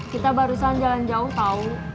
kita barusan jalan jauh tahu